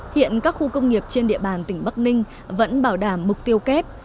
hiện các khu công nghiệp trên địa bàn tỉnh bắc ninh vẫn bảo đảm mục tiêu kép